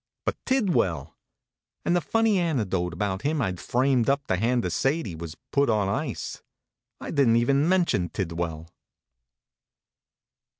But Tidwell! And the funny anec dote about him I d framed up to hand to Sadie was put on the ice. I didn t even mention Tidwell.